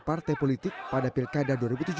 partai politik pada pilkada dua ribu tujuh belas